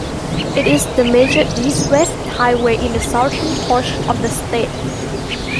It is the major east-west highway in the southern portion of the state.